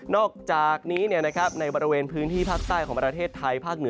นอกจากนี้ในบริเวณพื้นที่ภาคใต้ของประเทศไทย